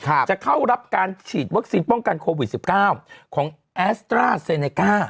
จะเข้ารับการฉีดวัคซีนป้องกันโควิดสิบเก้าของแอสตราเซเนก้า